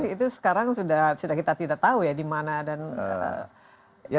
itu sekarang sudah kita tidak tahu ya di mana